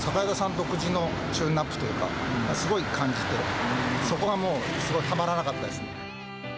独自のチューンナップというか、すごい感じて、そこがもう、すごいたまらなかったですね。